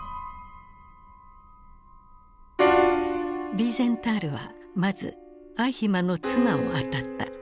ヴィーゼンタールはまずアイヒマンの妻を当たった。